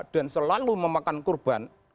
dan selalu memakan korban